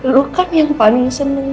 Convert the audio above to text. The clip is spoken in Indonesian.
lu kan yang paling seneng